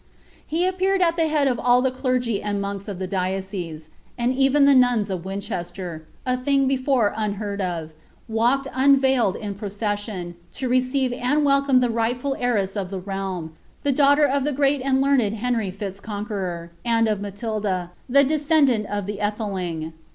He appeared at llie head of alt the clurgy and monks of the diocese; and even the nuns of Winchester' (a thine hetam unheard of) walketi unveiled in the procession, to receive and wcJeonie the rightful heiress of the realm, the daughter of the great and learned Henry Fitz Conqucror, and of Matilda, the descendant of the Atbeling.